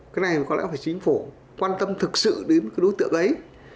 cái này có lẽ phải chính phủ quan tâm thực sự đến cái đối tượng ấy